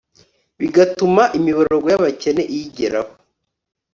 bigatuma imiborogo y'abakene iyigeraho